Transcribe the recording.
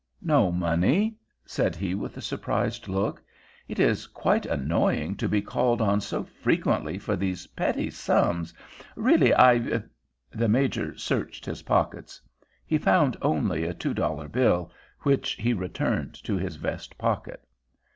"No money?" said he with a surprised look. "It is quite annoying to be called on so frequently for these petty sums, Really, I—" The Major searched his pockets. He found only a two dollar bill, which he returned to his vest pocket.